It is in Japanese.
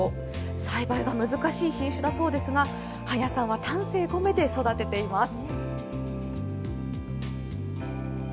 栽培が難しい品種だそうですが、半谷さんは丹精込めて育てています。